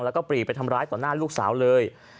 แล้วก็ปรีไปทำร้ายต่อหน้าลูกสาวเลย